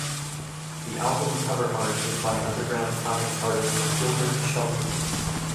The album cover art is by underground comix artist Gilbert Shelton.